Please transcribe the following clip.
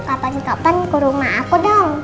apa kekapan ke rumah aku dong